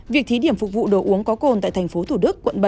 việc thí điểm phục vụ đồ uống có cồn tại thành phố thủ đức quận bảy